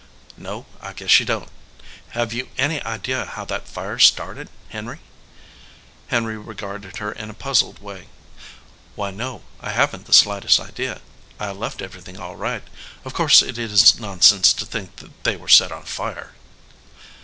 "No, I guess she don t. Have you any idea how that fire started, Henry?" Henry regarded her in a puzzled way. "Why, no, I haven t the slightest idea. I left everything all right. Of course it is nonsense to think they were set on fire."